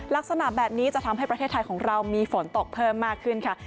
ลักษณะแบบนี้จะทำให้ประเทศไทยของเรามีฝนตกเพิ่มมากขึ้นค่ะ